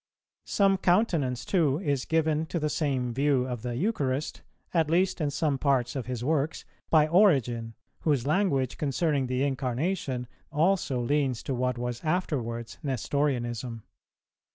Some countenance too is given to the same view of the Eucharist, at least in some parts of his works, by Origen, whose language concerning the Incarnation also leans to what was afterwards Nestorianism.